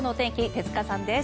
手塚さんです。